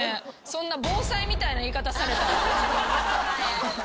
そんな防災みたいな言い方されたら。